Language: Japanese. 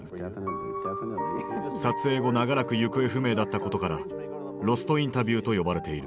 撮影後長らく行方不明だったことから「ロスト・インタビュー」と呼ばれている。